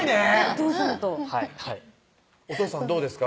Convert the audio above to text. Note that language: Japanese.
お父さんとはいお父さんどうですか？